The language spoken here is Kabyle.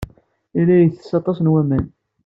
Yella yettess aṭas n waman.